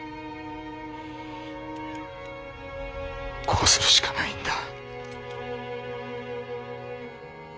こうするしかないんだ。